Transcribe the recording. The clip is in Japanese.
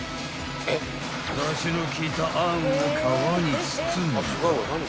［だしの効いたあんを皮に包み］